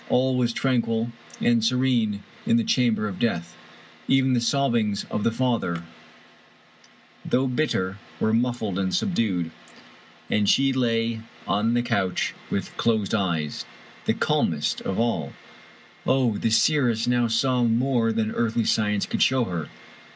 All was tranquil and serene in the chamber of death. Even the sobbings of the father, though bitter, were muffled and subdued. And 47 Irish Mystery Stories she lay on the couch, with closed eyes, the calmest of all ! Oh, the seeress now saw more than earthly science could show her!